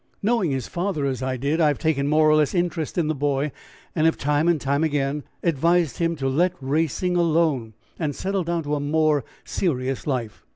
"Knowing his father as I did, I have taken more or less interest in the boy, and have time and again advised him to let racing alone, and settle down to more serious life.